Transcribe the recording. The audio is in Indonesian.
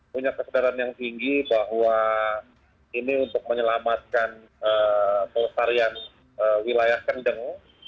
punya kesadaran yang tinggi bahwa ini untuk menyelamatkan pelestarian wilayah kendeng